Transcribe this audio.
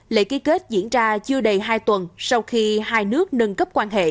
lễ ký kết diễn ra chưa đầy hai tuần sau khi hai nước nâng cấp quan hệ